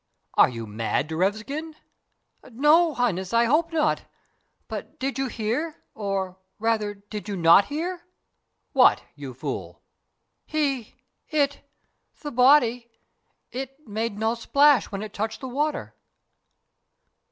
"Are you mad, Derevskin?" "No, Highness, I hope not: but did you hear or, rather, did you not hear?" "What, you fool?" "He it the body it made no splash when it touched the water!"